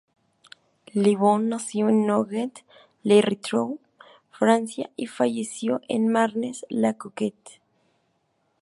Le Bon nació en Nogent-le-Rotrou, Francia, y falleció en Marnes-la-Coquette.